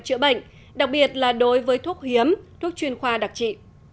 chữa bệnh đặc biệt là đối với thuốc hiếm thuốc chuyên khoa đặc trị